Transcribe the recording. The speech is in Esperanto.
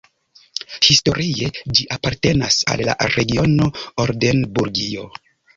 Historie ĝi apartenas al la regiono Oldenburgio.